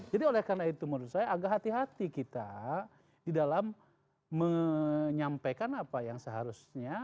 jadi oleh karena itu menurut saya agak hati hati kita di dalam menyampaikan apa yang seharusnya